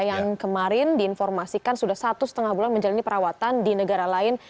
yang kemarin diinformasikan sudah satu setengah bulan menjalani perawatan di negara lain